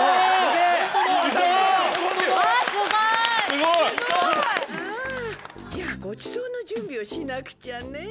すごい！じゃあごちそうの準備をしなくちゃね。